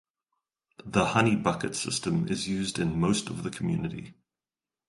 The honey bucket system is used in most of the community.